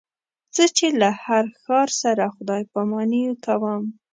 زه چې له هر ښار سره خدای پاماني کوم.